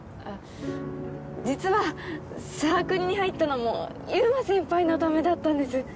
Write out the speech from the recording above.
実はサークルに入ったのも優馬先輩のためだったんです。